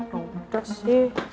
gak ada sih